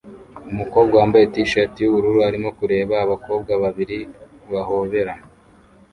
Umukobwa wambaye t-shirt yubururu arimo kureba abakobwa babiri bahobera